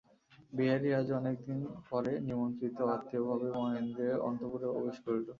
বিহারী আজ অনেক দিন পরে নিমন্ত্রিত-আত্মীয়ভাবে মহেন্দ্রের অন্তঃপুরে প্রবেশ করিল।